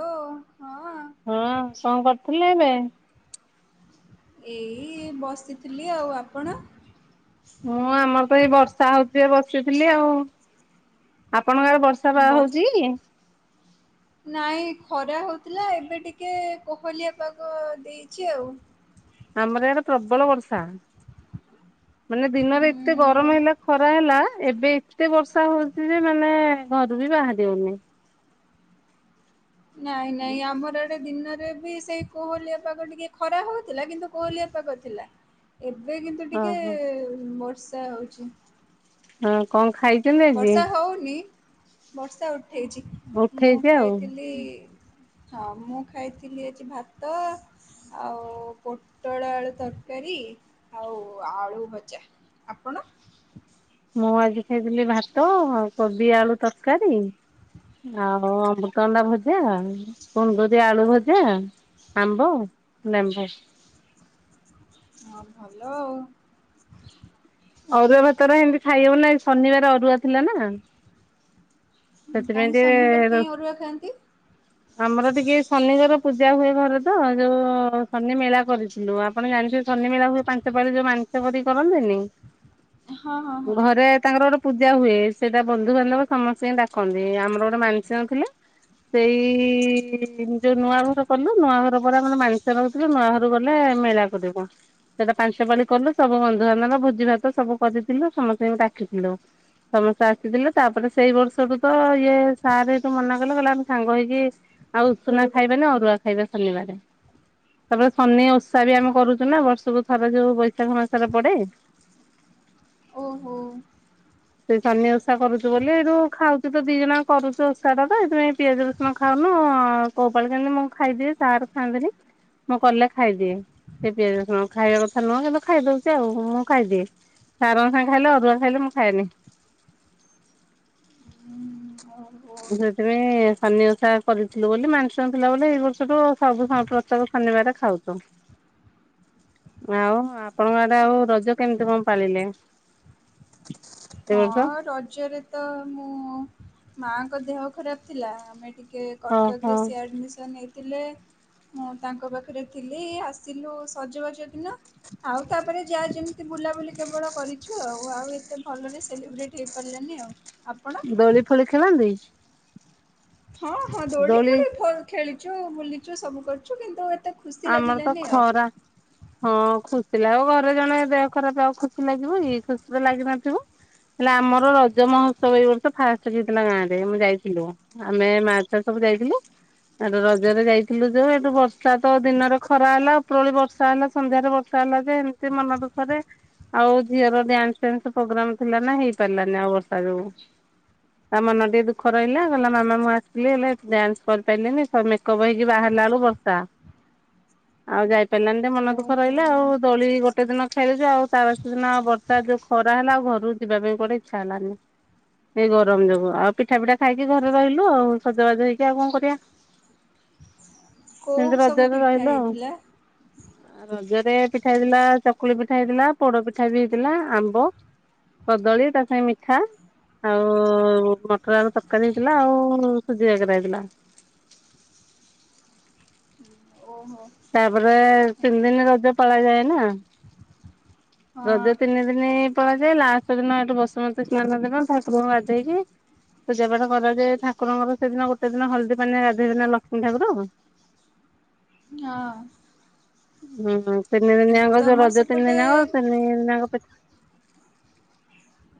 ହୋ ହଁ ହଁ କଣ କରୁଥିଲେ ଏବେ ଏଇ ବସିଥିଲି ଆଉ ଆପଣ? ହଁ ଆମର ତ ଏଇ ବର୍ଷା ହଉଛି ବସିଥିଲି ଆଉ ଆପଣଙ୍କର ବର୍ଷା ତା ବାହା ବର୍ଷ ହଉଛି? ନାଇଁ ଖରା ହଉଥିଲା ଏବେ ଟିକେ କୋହଲିଆ ପାଗ ଦେଇଛି ଆଉ। ଆମର ଇଆଡ଼େ ପ୍ରବଳ ବର୍ଷା। ମାନେ ଦିନରେ ଏତେ ହୁଁ ଗରମ ହେଲା ଖରା ହେଲା ଏବେ ଏତେ ବର୍ଷା ହଉଛି ଯେ ମାନେ ଘରୁ ବି ବାହାରି ହଉନି ନାଇଁ ନାଇଁ ଆମର ସେ ଦିନରେ ବି ସେଇ କୋହଲିଆ ପାଗ ଟିକେ ଖରା ହଉଥିଲା କିନ୍ତୁ କୋହଲିଆ ପାଗ ଥିଲା। ଏବେ କିନ୍ତୁ ଟିକେ ଓହୋ ବର୍ଷା ହଉଛି। ହଁ କଣ ଖାଇ ବର୍ଷା ହଉନି ବର୍ଷା ଉଠେଇଛି ମୁଁ ଉଠେଇଛି ଆଉ। ଖାଇଥିଲି ହଁ ମୁଁ ଖାଇଥିଲି ଆଜି ଭାତ ଆଉ ପୋଟଳ ଆଳୁ ତରକାରୀ ଆଉ ଆଳୁ ଭଜା। ଆପଣ ମୁଁ ଆଜି ଖାଇଥିଲି ଭାତ କୋବି ଆଳୁ ତରକାରୀ ଆଉ ଅମ ଅଣ୍ଡା ଭଜା, କୁନ୍ଦୁରି ଆଳୁ ଭଜା, ଆମ୍ବ, ଲେମ୍ବୁ ହଁ ଭଲ ଆଉ ଅରୁଆ ଭାତର ଏମିତି ଖାଇହବ ନାଇ ଶନିବାର ଅରୁଆ ଥିଲା ନା। ସେଥିପାଇଁ କାହିଁକି ଶନିବାର ଟିକେ କାହିଁ ଅରୁଆ ଖାଆନ୍ତି? ଆମର ଟିକେ ଶନିଙ୍କର ପୂଜା ହୁଏ ଘରେ ତ ଯୋଉ ଶନି ମେଳା କରିଚୁ। ଣୁ ଆପଣ ଜାଣିଛନ୍ତି ଶନି ମେଳା ହୁଏ ପାଞ୍ଚ ପାଳି ଯୋଉ ମାନସିକ କରି କରନ୍ତିନି। [inaudible] ହଁ ହଁ ଘରେ ତାଙ୍କର ଗୋଟେ ପୂଜା ହୁଏ। ସେଇଟା ବନ୍ଧୁବାନ୍ଧବ ସମସ୍ତିଙ୍କୁ ଡା ତାଙ୍କର।। ଆମର ଗୋଟେ ମାନସ ଥିଲେ ସେଇ ଯୋଉ ନୂଆ ଘର କଲୁ ନୂଆ ଘର ପରେ ଆମର ମାଣିଷର ମାଆ ଘରୁକୁ ଗଲେ ମେଳା କରିବୁ ସେଇଟା ପାଞ୍ଚ ପାଳି କଲୁ ସବୁ ବନ୍ଧୁବାନ୍ଧବ ଭୋଜି ଭାତ ସବୁ କରିଥିଲୁ ସମସ୍ତିଙ୍କୁ ଡାକିଥିଲୁ ସମସ୍ତେ ଆସିଥିଲେ ତାପରେ ସେଇ ବର୍ଷରୁୁ ତ ଇଏ ସାର ଏଇଠୁ ମନା କଲେ କହିଲେ ଆମ ସାଙ୍ଗ ହେଇକି ଆଉ ଉଷୁନା ଖାଇବେ ନନି ଅରୁଆ ଖାଇବେ ଶନିବାରେ ତାପରେ ଶନି ଓଷା ବି ଆମେ କରୁଚୁନା ବର୍ଷକୁ ଥର ଯୋଉ ବୈଶାଖ ମାସରେ ପଡେ ଓହୋ। ସେଇ ସନି ଉଷା କରୁଛିୁ ବୋଲି ଏଇଠୁ ଖାଉଛି ତ ଦି ଜଣ କରୁଛୁ ଉଷା ଟା ତ ସେଇଥିପାଇଁ ପିଆଜ ର ନ ଖାଉନୁ କୋଉ ପାଳି କେମିତି ମୁଁ ଖାଇଦିଏ ସାର ଖାଆନ୍ତିନି ମୁଁ କଲେ ଖାଇଦିଏ ସେ ପିଆଜ ଖାଇବା କଥା ନୁହଁ କିନ୍ତୁ ଖାଇଦଉଛି ଆଉ ମୁଁ ଖାଇଦିଏ। ସାରଙ୍କ ସାଙ୍ଗେ ଖାଇଲେ ଅରୁଆ ଖାଇଲେ ମୁଁ ଖାଏନି ହୁଁ, ଓହୋ ସେଥିପାଇଁ ଶନି ଉଷା କରିଥିଲୁ ବୋଲି ମାନସିକ ଥିଲା ବ ଏଇ ବର୍ଷଠୁ ସବୁ ସନ୍ତ ସବୁ ଶନିବାର ଖାଉଚ [unintelligible] ଆଉ ଆପଣଙ୍କ ଆଡେ ଆଉ ରଜ କେମିତି କଣ ପାଳିଲେ? ଏ ବର୍ଷ? ହଁ ରଜରେ ତ ମୁଁ, ମାଙ୍କ ଦେହ ଖରାପ ଥିଲା ଆମେ ଟିକେ ଟିକେ ଓହୋ କଟକରେ ସିଏ ଆଡମିସନ୍ ହେଇ ଥିଲେ ମୁଁ ତାଙ୍କ ପାଖରେ ଥିଲି ଆସିଲୁ ସଜବାଜ ଦିନ ଆଉ ତାପରେ ଯାଆ ଯେମିତି ବୁଲାବୁଲି କେବଳ କରିଛୁ ଆଉ ଆଉ ଏତେ ଭଲରେ ସେଲିବ୍ରେଟ୍ ହେଇପାରିଲାନି ଆଉ ଆପଣ? ଦୋଳି ଫୋଳି ଖେଳନ୍ତି? ହଁ ହଁ ଦୋଳି ଫୋଳି ଖେଳିଛୁ ବୁଲିଛୁ ସବୁ କରୁଛୁ କିନ୍ତୁ ଏତେ ଖୁସି ଆମର ତ ଲାଗିଲାନି ଆଉ ଖରା ହଁ ଖୁସି ଲାଗିବ ଘରେ ଜଣେ ଦେହ ଖରାପ ଆଉ ଖୁସି ଲାଗିବ କି ଖୁସି ତ ଲାଗିନଥିବ? ହେଲେ ଆମର ରଜ ମହୋତ୍ସବ ଏଇ ବର୍ଷ ଫାଷ୍ଟ ହେଇଥିଲା ଗାଁ ରେ ଆମେ ଯାଇଥିଲୁ। ଆମେ ମା ଛୁଆ ସବୁ ଯାଇଥିଲୁ। ଆର ରଜରେ ଯାଇଥିଲୁ ଯୋଉ ଏଠୁ ବର୍ଷା ତ ଦିନରେ ଖରା ହେଲା ଉପରଳି ବର୍ଷା ହେଲା ସନ୍ଧ୍ୟାରେ ବର୍ଷା ହେଲା ଯେ ଏମିତି ମନ ଦୁଃଖରେ ଆଉ ଝିଅର ଡ୍ୟାନ୍ସ ଫ୍ୟାନ୍ସ ପ୍ରୋଗ୍ରାମ ଥିଲା ନା ହେଇ ପାରିଲାନି ଆଉ ବର୍ଷା ଯୋଗୁଁ। [unintelligible] ତା ମନ ଟିକେ ଦୁଃଖ ରହିଲା। କହିଲା ମାମା ମୁଁ ଆସିଲି ହେଲେ ଡ୍ୟାନ୍ସ କରିପାରିଲିନି ସ ମେକଅପ୍ ହେକି ବାହାରିଲା ବେଳକୁ ବର୍ଷା। ଆଉ ଯାଇ ପାରିଲାନି ଟିକେ ମନ ଦୁଃଖ ଓହୋ ରହିଲା ଆଉ ଦୋଳି ଗୋଟ ଗୋଟେ ଦିନ ଖେଲିଚୁ ଆଉ ତା ବାସିଦିନ ବର୍ଷା ଯୋଉ ଖରା ହେଲା ଆଉ ଘରୁ ଯିବା ପାଇଁ କୁଆଡେ ଇଚ୍ଛା ହେଲାନି। ଏଇ ଗରମ ଜୋଗୁ ଆଉ ପିଠା ପିଠା ଖାଇକି ଘରେ ରହିଲୁ ଆଉ ସଜବାଜ ହେଇକି ଆଉ କଣ କରିଆ। କୋଉ ସବୁ ରଜରେ ପିଠା ରହିଲୁ ଆଉ ହେଇଥିଲା? ରଜରେ ପିଠା ହେଇଥିଲା ଚକୁଳି ପିଠା ହେଇଥିଲା ପୋଡ ପିଠା ବି ହେଇଥିଲା ଆମ୍ବ କଦଳୀ ତା ସାଙ୍ଗେ ମିଠା। ଆଉ ମଟର ଆଳୁ ତରକାରୀ ହେଇଥିଲା, ଆଉ ସୁଜି କାକରା ହେଇଥିଲା। ଓହୋ। ତାପରେ ହଁ ତିନି ଦିନି ରଜ ପାଳା ଯାଏ ନା? ରଜ ତିନି ଦିନି ପଳାଯାଏ ଲାଷ୍ଟ ଦିନ ଏଠୁ ବସୁମତୀ ସ୍ନାନ ଦିନ ଠାକୁରଙ୍କୁ ଗାଥେଇକି ପୂଜା ପାଠ କରାଯାଏ ଠାକୁରଙ୍କର ସେଦିନ ଗୋଟେ ଦିନ ହଳଦୀ ପାଣିରେ ଗାଧେଇବେ ନା ଲକ୍ଷ୍ମୀ ଠାକୁର। ହଁ। ହୁଁ ହୁଁ ତିନି ଦିନିଜାଙ୍କ ଯୋଉ ତମର ରଜ ତିନି ସେପଟେ ଦିନିଆଙ୍କ ତିନି ଦିନିଆଙ୍କ ପିଠା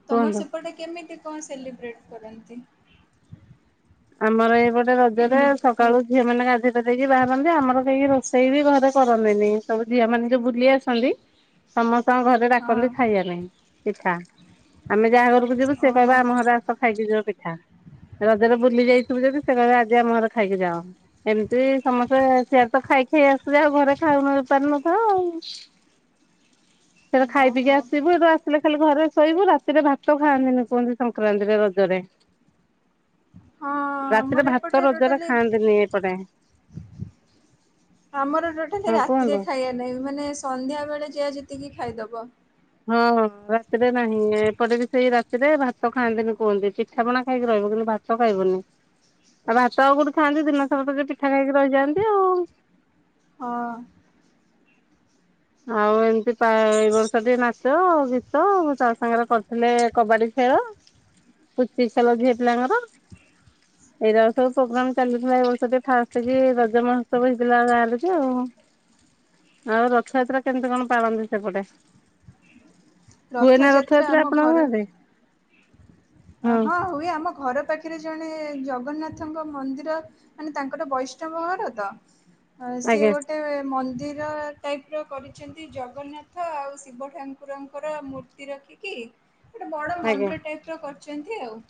ତମର କୁହନ୍ତୁ ସେପଟେ କେମିତି କଣ ସେଲିବ୍ରେଟ୍ କରନ୍ତି? ଆମର ଏଇପଟେ ରଜରେ ସକାଳୁ ଝିଅ ମାନେ ଗାଧେଇ ପାଧେଇ କି ବାହାରନ୍ତି। ଆମର କେହି ରୋ ସେଇ ବି ଘରେ କରନ୍ତିନି। ସବୁ ଝିଅ ମାନେ ଯୋଉ ବୁଲି ଆସନ୍ତି ସମସ୍ତଙ୍କ ଘରେ ହଁ ଡାକନ୍ତି ଖାଇଆ ପାଇଁ ପିଠା। ଆମେ ଯାହା ଘରୁ ଯିବୁ ସେ ଓହୋ କହିବ ଆମ ଘର ଆସ ଖାଇକି ଯିବ ପିଠା। ରଜରେ ବୁଲି ଯାଇଥିବୁ ଯଦି ସିଏ କହିବେ ଆଜି ଆମ ଘରେ ଖାଇକି ଯାଅ। ଏମିତି ସମସ୍ତେ ସିଆଡେ ତ ଖାଇ ଖାଇ ଆସୁ ଯାହା ଆଉ ଘରେ ଖାଉ ପାରୁନଥାଉ ଆଉ। [unintelligible] ସେଆଡେ ଖାଇ ଓହୋ ପିଇ ବୁ ହଁ ଆସିବୁ ହେଟୁ ଆ ସିଲେ ଖାଲି ଘରେ ଶୋଇବୁ। ରାତିରେ ଭାତ ଖାଆନ୍ତିନି କୁହନ୍ତି ସଂକ୍ରାନ୍ତିରେ ରଜରେ। ରାତିରେ ଆମର ଭାତ ଏପଟେ ରଜରେ ଟୋଟାଲି ଖାଆନ୍ତିନି ଏପଟେ। ଆମର ଟୋଟାଲି ହଁ ରାତିରେ କୁହନ୍ତୁ। ଖାଇଆ ନାହିଁ ମାନେ ସନ୍ଧ୍ୟା ବେଳେ ଯାହା ଯେତିକି ଖାଇଦବ। ହୁଁ ହୁଁ ରାତିରେ ନାହିଁ ଏପଟେ ବି ସେଇ ରାତିରେ ଭାତ ଖାଆନ୍ତିନି କୁହନ୍ତି ପିଠାପଣା ଖାଇକି ରହିବ। କିନ୍ତୁ ଭାତ ଭାତ ଖାଇବୁନି। ଆଉ ଭାତ ଆଉ କୋଉଠୁ ଖାଆନ୍ତି ଦିନ ସାରା ତ ପିଠା ଖାଇକି ରହିଯାଆନ୍ତି ଆଉ। ହଁ। ଆଉ ଏମତି ଏଇ ବର୍ଷ ଟିକେ ନାଚ ଗୀତ ତା ସାଙ୍ଗରେ କରିଥିଲେ କବାଡି ଖେଳ ପୁଚି ଖେଳ ଝିଅ ପିଲାଙ୍କର। ହଁଁ [inaudible] ଏଉରାକ ସବୁ ପ୍ରୋଗ୍ରାମ ଚାଲିଥିଲା ଏଇ ବର୍ଷ ଟିକେ ଫାଷ୍ଟ କି ରଜ ମହୋତ୍ସବ ହେଇଥିଲା ଗାଁରେ କି ଆଉ। ହଁ। ଆଉ ରଥଯାତ୍ରା କେମିତି କଣ ପାଳନ୍ତି ସେପଟେ? ହୁଏ ନା ରଥଯାତ୍ରା ଆମ ଆପଣଙ୍କ ଘର ଗାଁ ରେ? ହଁ ହୁଏ ଆମ ଘର ପାଖ ରେ ଜଣେ ଜଗନ୍ନାଥଙ୍କ ମନ୍ଦିର ମାନେ ତାଙ୍କର ବୈଷ୍ଣବ ଘର ତ ହଁ ସିଏ ଆଜ୍ଞା ଗୋଟେ ମନ୍ଦିର ଟାଇପ ର କରିଛନ୍ତି ଜଗନ୍ନାଥ ଆଉ ଶିବ ଠାକୁରଙ୍କର ମୂର୍ତ୍ତି ରଖିକି ଗୋଟେ ବଡ ଆଜ୍ଞା ମନ୍ଦିର ଟାଇପ ର କରିଚନ୍ତି ଆଉ।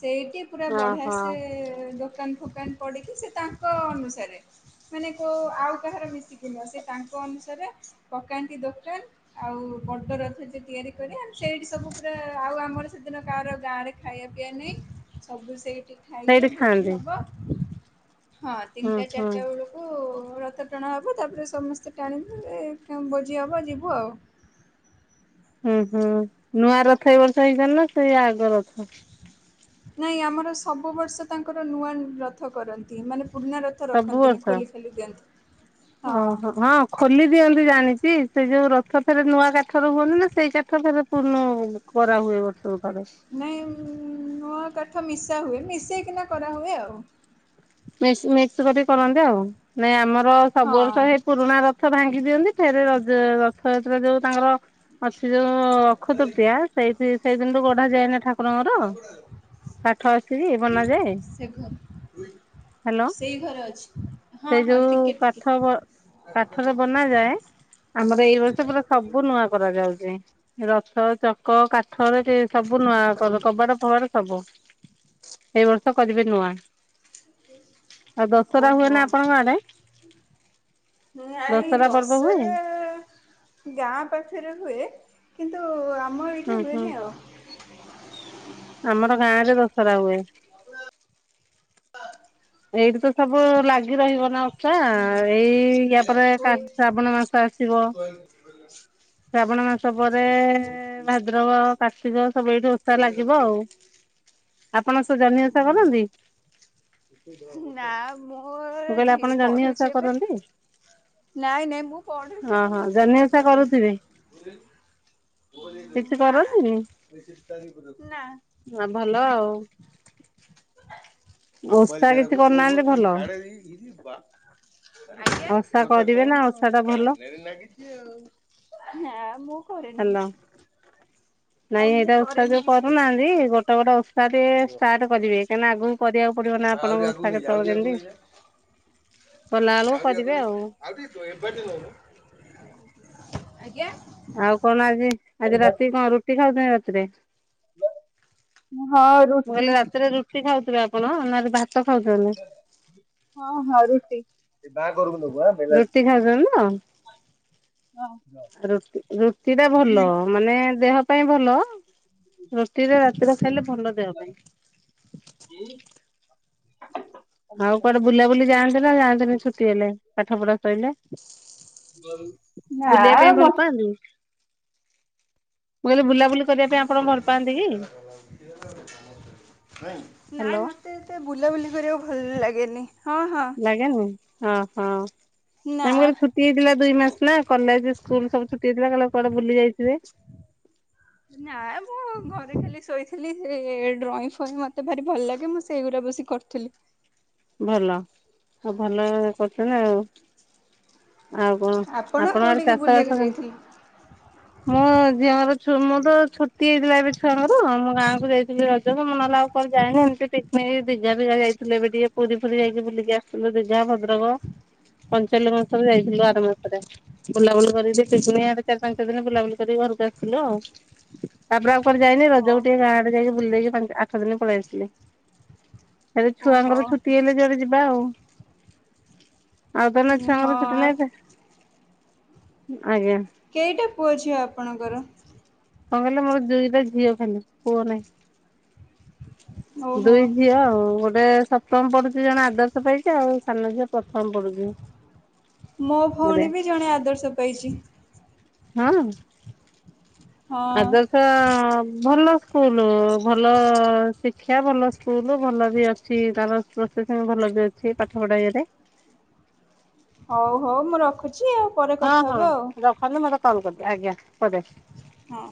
ସେଇଠି ପୁରା ବଢିଆ ଓହୋ ସେ ଦୋକାନ ଫୋକାନ ପଡ଼ିକି ସେ ତାଙ୍କ ଅନୁସାରେ ମାନେ କୋଉ ଆଉ କାହାର ମିଶିକି ନୁହଁ ସେ ତାଙ୍କ ଅନୁସାରେ ପକାନ୍ତି ଦୋକାନ ଆଉ ବଡ ରଥ ଯେ ତିଆରି କରେ ଆମ ସେଇଠି ସବୁ ପୁରା ଆଉ ଆମର ସେଦିନ କାହାର ଗାଁ ରେ ଖାଇବା ପିଇବା ନାହିଁ। ସବୁ ସେଇଠି ଖାଇବେ ସେଇଠି ଭୋଜି ଖାଆନ୍ତି ହବ। ହଁ ହୁଁ ତିନିଟା ହୁଁ। ଚାରିଟା ବେଳକୁ ରଥ ଟଣା ହେବ ତାପରେ ସମସ୍ତେ ଟାଣିବେ ଭୋଜି ହେବ ଯିବୁ ଆଉ। ହୁଁ। ହୁଁ ହୁଁ ନୂଆ ରଥ ଏ ବର୍ଷ ହେଇଚନ୍ତି ନା ସେଇ ଆଗ ରଥ? ନାଇଁ ଆମର ସବୁ ବର୍ଷ ତାଙ୍କର ନୂଆ ରଥ କରନ୍ତି। ମାନେ ପୁରୁଣା ରଥ ତ ସବୁ ରଖନ୍ତିନି ବର୍ଷ? ଖୋଲି ଖୋଲି ଦିଅନ୍ତି ହଁ। ଖୋଲି ଦିଅନ୍ତି ଜାଣିଚି ସେ ଯୋଉ ରଥ ଫେଏରେ ନୂଆ କାଠରେ ହୁଅନ୍ତି ନା ସେଇ କାଠ ଫେରେ ପୂର୍ଣ କରାହୁଏ ବର୍ଷକୁ ଥରେ। ନାଇଁ ନୂଆ କାଠ ମିଶା ହୁଏ ମିଶେଇକିନା କରାହୁଏ ଆଉ। ମିକ୍ସ କରିକି କରନ୍ତି ଆଉ ନାଇଁ ଆମର ସବୁ ହଁ ବର୍ଷ ପୁରୁଣା ରଥ ଭାଙ୍ଗି ଦିଅନ୍ତି ଫେରେ ରଥଯାତ୍ରା ଯୋଉ ତାଙ୍କର ଅଛି ଯୋଉ ଅକ୍ଷୟ ତୃତୀୟା ସେଇଠି ସେଇଦିନରୁୁ ଗଢା ଯାଏନି ଠାକୁରଙ୍କର। କାଠ ଆସିକି ବନାଯାଏ। ସେ ଘର ନାଁ ହାଲୋ ହଁ ସେ ହଁ ଯୋଉ ଟିକେ କାଠ ଟିକେ କାଠରେ ବନାଯାଏ ଆମର ଏଇ ବର୍ଷ ପୁରା ସବୁ ନୂଆ କରାଯାଉଚି ରଥ ଚକ କ କାଠରେ ସବୁ ନୂଆ କର ହୋଇଛି। କବାଟ କବାଟ ସବୁ ଏଇ ବର୍ଷ କରିବେ ନୂଆ। ହଁ। ଆଉ ଦଶହରା ହୁଏନା ଆପଣଙ୍କ ଆଡେ? ନାହିଁ ଦଶହରା ପର୍ବ ହୁଏ? ଦଶହରା ଗାଁ ପାଖରେ ହୁଏ କିନ୍ତୁ ଆମ ହୁଁ ଏଇଠି ହୁଁ ହୁଏନି ଆଉ। ଆମର ଗାଁ ରେ ଦଶହରା ହୁଏ। ଏଇଠି ତ ସବୁ ଲାଗି ରହିବ ନା। ହୁଁ। ଏଇ ୟା ପରେରେ ଶ୍ରାବଣ ମାସ ଆସିବ। ଶ୍ରାବଣ ମାସ ପରେ ଭାଦ୍ରବ କାର୍ତ୍ତିକ ସବୁ ଏଇଠି ଓଷା ଲାଗିବ ଆଉ। ଆପଣ ସେ ଜହ୍ନି ଓଷା କରନ୍ତି? ନା ମୁଁ ମୋର କହିଲି ଝି ଆପଣ ଜହ୍ନି ଓଷା ପଢୁଛି ଏବେ। କରନ୍ତି? ନାଇଁ ନାଇଁ ମୁଁ ପଢୁଛି ଏବେ ଓହୋ ଜହ୍ନି ମୁସେଗୁରା କିଛି ଓଷା କରୁଥିବେ କରେନି। କିଛି ନା କରନ୍ତିନି ନା। ହଁ ଭଲ ଆଉ। ମୋବାଇଲି ଓଷା ସିଆଡଡେ କିଛି ରଖୂଚୁ ଓହୋ କରୁନାହାନ୍ତି ତୁ ଭଲ। ସିଆଡେ ଇରେ ବାପା। ଆଜ୍ଞା ସେ ଓଷା କଥା କରିବେ ନା କହୁନୁ ଆ ଓଷା ଟା ଭଲ କାନରେ ଲାଗିଛି। ନା ମୁଁ କରେନି ହାଲୋ। କିଛି। ହଁ ନାଇଁ ମୁଁ ଏଇଟା ଓଷା କରେନି ଯୋଉ କିଛି ଓଷା। କରୁନାହାନ୍ତି ଗୋଟେ ଗୋଟ ଓଷାରେ ଷ୍ଟାର୍ଟ କରିବେ କାହିଁକିନା ଆଗକୁ କରିବାକୁ ପଡିବ ନା ଆହୁରି ଆପଣଙ୍କୁ ଆଗକୁ ଓଷା ନେଇଯା ଆହୁରି କେତବେଳେ ଆଗକୁ କେମିତି ନେଇଯା କଲା ବେଳକୁ କରିବେ ଆଉ। ଆଜି ତ ଏବା ଟେ ନୋଉଁ ନୋଉଁ। ଆଜ୍ଞା। ଆଉ କଣ ଆଜି ଆଜି ରାତି କଣ ରୁଟି ଖାଉଚନ୍ତି ରାତିରେ? ହଁ ମୁଁ ରୁଟି କହିଲି ରାତିରେ ରୁଟି ଖାଉଥିବେ ଆପଣ ନହେଲେ ଭାତ ଖାଉଚନ୍ତି? ହଁ ହଁ ରୁଟି। ବେଲାଠୁ। ରୁଟି ଖାଉଛନ୍ତି ନା ତ ରୁଟି ଟା ଭଲ। ମାନେ ଦେହ ପାଇଁ ଭଲ ରୁଟିରେ ରାତିରେ ଖାଇଲେ ଭଲ ଦେହ ପାଇଁ। [inaudible] ଆଉ କୁଆଡେ ବୁଲା ବୁଲି ଯାଆନ୍ତି ନା ଯାଆନ୍ତିନି ଛୁଟି ହେଲେ ପାଠ ପଢା ଶଇଲେ? ବୁଲିବା ପାଇଁ ମ ଭଲ ପାଆନି ମୁଁ କହିଲି ବୁଲା ନାଇଁ ହ୍ୟାଲୋ ମତେ ସେ ବୁଲାବୁଲି କରିବାକୁ ଭଲ ଲାଗେନି ହଁ ହଁ। ଆଜ୍ଞା ନୁ ହଁ ହଁ ନା। ଛୁଟି ହେଇଥିଲା ଦୁଇ ମାସ ନା କଲେଜ୍ ସ୍କୁଲ ସବୁ ସିଏ ଥିଲାକହିଲା କୁଆଡେ ବୁଲି ଯାଇଥିବେ। ହଁ। ନା ମୁଁ ଘରେ ଖାଲି ଶୋଇଥିଲି ସେ ଡ୍ରଇଂ ଫଇଁ ମତେ ଭାରି ଭଲ ଲାଗେ ମୁଁ ସେଇଗୁଡା ବ ଶିି କରିୁଥିଲି। ଭଲ ଆଉ ଭଲ କରୁଥିଲେ ଆଉ। ଆଉ କଣ ଆପଣ ଆପଣଙ୍କର କୋଉଠିକି ଚାଷ ବୁଲିବାକୁ ବାସ ଯାଇଥିଲେ? ମୋ ଝିଅଙ୍କର ମୁଁ ତ ଛୁଟି ହେଇଥିଲା ଏବେ ଛୁଆଙ୍କର ମୁଁ ଗାଁକୁ ଯାଇଥିଲି ର ତ ମନାଲା ଆଉ କଣ ଯାଏନି ଏମିତି ପିକନିକ ଭିଜା ବିିଜା ଯାଇଥିଲେ ବି ଟିକେ ପୁରୀ ଫୁରୀ ଯାଇକି ବୁଲିକି ଆସିଥିଲୁ ଦୀଘା ଭଦ୍ରକ ପଞ୍ଚଲିଙ୍ଗେଶ୍ୱର୍ ଯାଇଥିଲୁ ଆର ମାସରେ। ବୁଲାବୁଲି କରିକି ଆଡେ ଚାରି ପାଞ୍ଚ ଦିନ ବୁଲାବୁଲି କରି ଘରକୁ ଆସିଲୁ ଆଉ ତାପରେ ଆଉ କୁଆଡେ଼ ଯାଇନି ରଜକୁ ଟିକେ ଗାଁ ଓହୋ ଆଡେ ଯାଇକି ବୁଲି ଦେଇକି ଆଠ ଦିନ ପଳେଇ ଆସିଲି। ଏବେ ଓହୋ ଛୁଆଙ୍କର ଛୁଟି ହେଲେ ଯୁଆଡେ ଯିବା ଆଉ ଆଉ ତାହେଲେ ଛୁଆଙ୍କର ଛୁଟି ହଁ। ନାଇଁ ଏବେ ଆଜ୍ଞା। କେଇଟା ପୁଅ ଝିଅ ଆପଣଙ୍କର? କଣ କହିଲେ ମୋର ଦୁଇଟା ଝିଅ ଖାଲି ପୁଅ ନାହିଁ। ଓହୋ ଦୁଇ ଝିଅ ଆଉ ଗୋଟେ ସପ୍ ସପ୍ତମ ପଡୁଛି ଜଣେ ଆଦର୍ଶ ପାଇଛି ଆଉ ସାନ ଝିଅ ପ୍ରଥମ ପଡୁଛି। ମୋ ଭଉଣୀ ବି ଜଣେ ଆଦର୍ଶ ପାଇଛି। ହଁ। ହଁ ଆଦସ ଭଲ ସ୍କୁଲ ଭଲ ଶିକ୍ଷା ଭଲ ସ୍କୁଲ ଭଲ ବି ଅଛି ତାର ସେଥିପାଇଁ ଭଲ ବି ଅଛି ପାଠ ପଢ଼ା ଇଏରେ। ହଉ ହଉ ମୁଁ ରଖୁଛି ଆଉ ପରେ ହଁ କଥା ହଁ ହବା ଆଉ [inaudible] ହଁ।